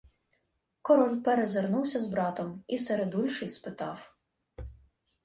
Король перезирнувся з братом, і середульший спитав: